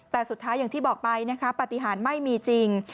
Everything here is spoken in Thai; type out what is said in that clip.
แต่สุดท้ายอย่างที่บอกไปนะคะปฏิหารไม่มีจริง